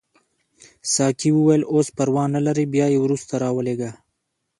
ساقي وویل اوس پروا نه لري بیا یې وروسته راولېږه.